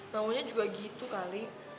bangunya juga gitu kali